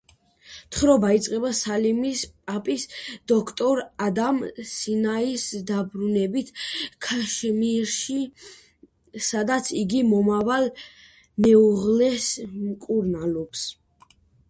თხრობა იწყება სალიმის პაპის, დოქტორ ადამ სინაის დაბრუნებით ქაშმირში, სადაც იგი მომავალ მეუღლეს მკურნალობს.